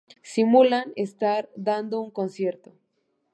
Simulan estar dando un concierto.